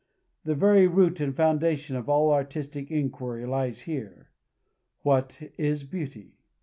The very root and foundation of all artistic inquiry lies here. _What is beauty?